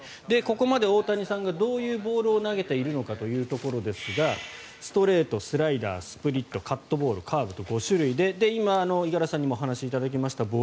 ここまで大谷さんがどういうボールを投げているのかというところですがストレート、スライダースプリット、カットボールカーブと５種類で今、五十嵐さんからお話がありました